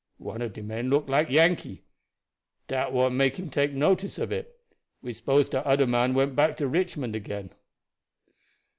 One of de men look like Yankee dat what make him take notice of it. We s'pose dat oder man went back to Richmond again."